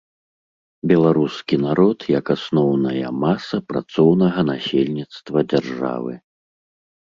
Беларускі народ як асноўная маса працоўнага насельніцтва дзяржавы.